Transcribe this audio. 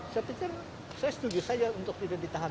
saya setuju saja untuk tidak ditahan